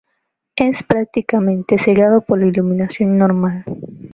Es prácticamente cegado por la iluminación normal.